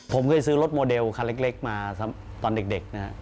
ผมเคยซื้อรถโมเดลคันเล็กมาตอนเด็กนะครับ